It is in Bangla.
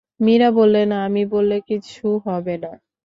মীরা বললেন, আমি বললে কিছু হবে না।